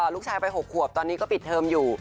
ลูกชายไป๖ขวบตอนนี้ก็ปิดเทอมอยู่